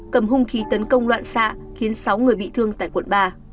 cầm hung khí tấn công loạn xạ khiến sáu người bị thương tại quận ba